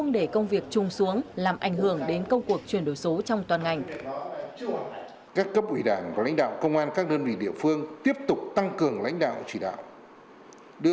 vì vậy bộ trưởng tô lâm đề nghị công an các đơn vị địa phương phải tiếp tục gương mẫu đi đầu